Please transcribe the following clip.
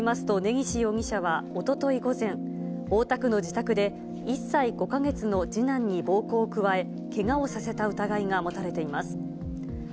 捜査関係者によりますと、根岸容疑者はおととい午前、大田区の自宅で、１歳５か月の次男に暴行を加え、けがをさせた疑いが持たれています。